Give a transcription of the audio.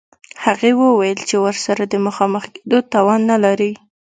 هغې وویل چې ورسره د مخامخ کېدو توان نلري